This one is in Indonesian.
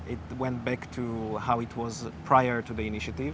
itu kembali ke situasi sebelum inisiatif